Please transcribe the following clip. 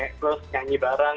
terus nyanyi bareng